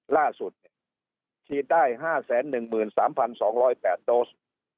ล่าสุดขีดได้ห้าแสนหนึ่งหมื่นสามพันสองร้อยแปดโดส